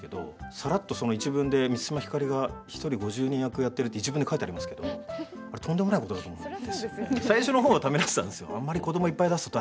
さらっと、その一文で満島ひかりが１人５０人役やってるって一文で書いてありますけど最初の方はためらってたんですよ。